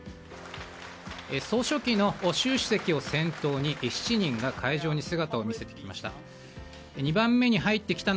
総書記の習主席を先頭に７人が会場に姿を見せてきました。